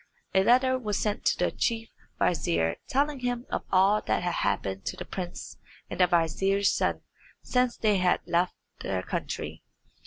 A letter was sent to the chief vizier telling him of all that had happened to the prince and the vizier's son since they had left their country.